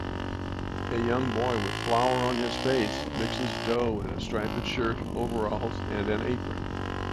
A young boy with flower on his face mixes dough in a striped shirt overalls and an apron